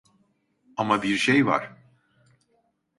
Ama bir şey var.